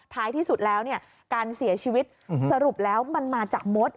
ท้ายที่สุดแล้วเนี่ยการเสียชีวิตสรุปแล้วมันมาจากมด